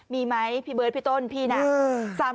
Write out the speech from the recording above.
มีไหมพี่เบิร์ดพี่ต้นพี่น่ะ